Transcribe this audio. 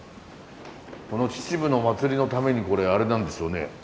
この秩父の祭りのためにこれあれなんですよね。